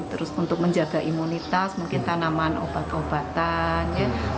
terus untuk menjaga imunitas mungkin tanaman obat obatan